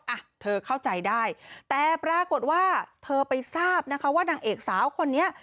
อ่ะเธอเข้าใจได้แต่ปรากฏว่าเธอไปทราบนะคะว่านางเอกสาวคนนี้